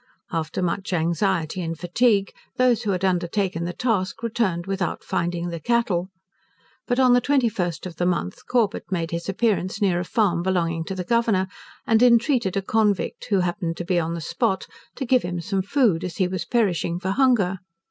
After much anxiety and fatigue, those who had undertaken the task returned without finding the cattle. But on the 21st of the month, Corbet made his appearance near a farm belonging to the Governor, and entreated a convict, who happened to be on the spot, to give him some food, as he was perishing for hunger.